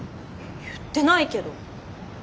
言ってないけど。